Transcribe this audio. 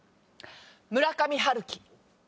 村上春樹。